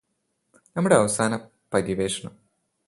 നമ്മുടെ അവസാന പര്യവേക്ഷണം